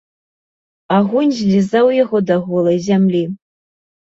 Агонь злізаў яго да голай зямлі.